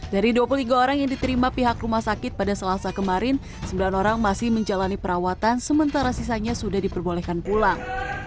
dari dua puluh tiga orang yang diterima pihak rumah sakit pada selasa kemarin sembilan orang masih menjalani perawatan sementara sisanya sudah diperbolehkan pulang